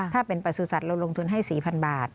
ถ้าเป็นประสุทธิ์เราลงทุนให้๔๐๐บาท